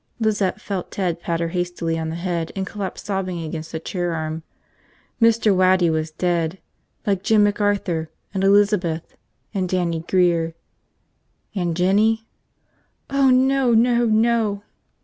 Lizette felt Ted pat her hastily on the head and collapsed sobbing against the chair arm. Mr. Waddy was dead. Like Jim McArthur. And Elizabeth. And Dannie Grear. And Jinny? "Oh, no, no, no!"